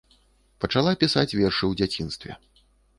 Пачала пісаць вершы ў дзяцінстве.